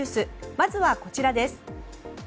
まずは、こちらです。